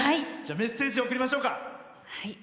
メッセージ、送りましょうか。